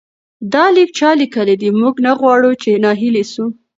دا لیک چا لیکلی دی؟ موږ نه غواړو چې ناهیلي سو.